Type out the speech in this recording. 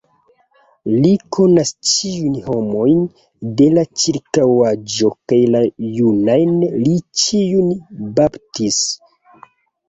Li konas ĉiujn homojn de la ĉirkaŭaĵo kaj la junajn li ĉiujn baptis.